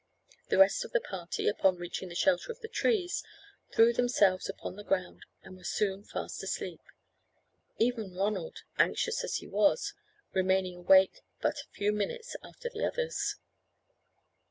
The rest of the party, upon reaching the shelter of the trees, threw themselves upon the ground, and were soon fast asleep; even Ronald, anxious as he was, remaining awake but a few minutes after the others.